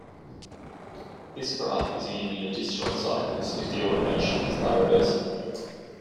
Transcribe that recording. This graph is a union of disjoint cycles if the automaton is bireversible.